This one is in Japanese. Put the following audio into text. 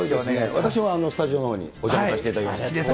私もスタジオのほうにお邪魔させていただきまして。